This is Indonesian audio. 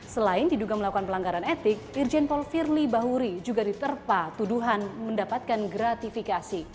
selain diduga melakukan pelanggaran etik irjen paul firly bahuri juga diterpa tuduhan mendapatkan gratifikasi